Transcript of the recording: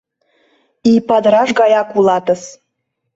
Ий падыраш гаяк улатыс.